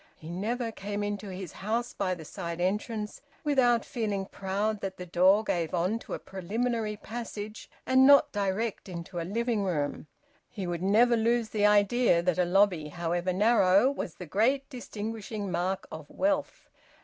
He never came into his house by the side entrance without feeling proud that the door gave on to a preliminary passage and not direct into a living room; he would never lose the idea that a lobby, however narrow, was the great distinguishing mark of wealth.